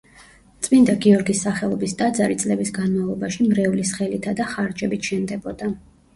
წმინდა გიორგის სახელობის ტაძარი წლების განმავლობაში მრევლის ხელითა და ხარჯებით შენდებოდა.